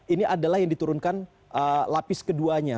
ini adalah yang diturunkan lapis keduanya